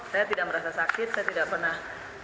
saya tidak merasa sakit saya tidak pernah